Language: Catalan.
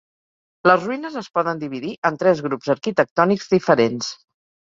Les ruïnes es poden dividir en tres grups arquitectònics diferents.